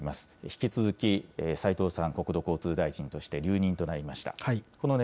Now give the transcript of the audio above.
引き続き斉藤さん、国土交通大臣として、留任となりました。